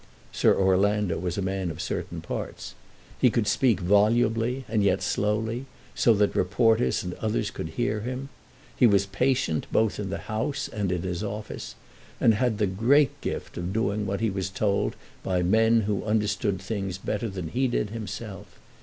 Sir Orlando was a man of certain parts. He could speak volubly, and yet slowly, so that reporters and others could hear him. He was patient, both in the House and in his office, and had the great gift of doing what he was told by men who understood things better than he did himself.